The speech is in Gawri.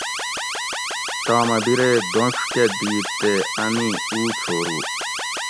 تامہ بیرے دونڄ کہ دِت تے اۤن ای اُو چھورو